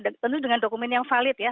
tentu dengan dokumen yang valid ya